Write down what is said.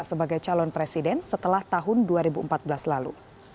sebagai calon presiden setelah tahun dua ribu empat belas lalu